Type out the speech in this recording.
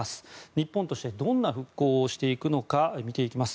日本として、どんな復興をしていくのか見ていきます。